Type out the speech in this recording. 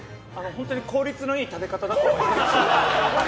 本当に効率のいい食べ方だと思います。